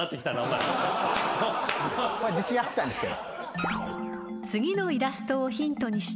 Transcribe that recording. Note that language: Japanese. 自信あったんですけど。